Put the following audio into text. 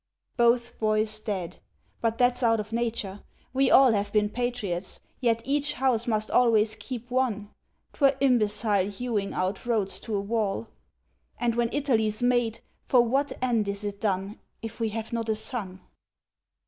Both boys dead! but that's out of nature. We all Have been patriots, yet each house must always keep one. 'T were imbecile hewing out roads to a wall. And when Italy's made, for what end is it done If we have not a son?